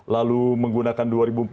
lalu menggunakan dua ribu empat belas